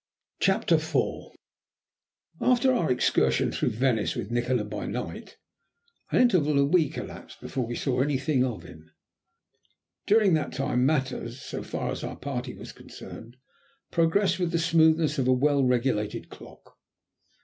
CHAPTER IV After our excursion through Venice with Nikola by night, an interval of a week elapsed before we saw anything of him. During that time matters, so far as our party was concerned, progressed with the smoothness of a well regulated clock.